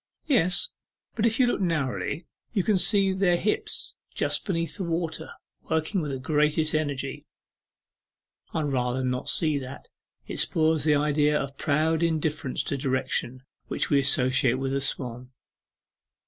'Yes, but if you look narrowly you can see their hips just beneath the water, working with the greatest energy.' 'I'd rather not see that, it spoils the idea of proud indifference to direction which we associate with a swan.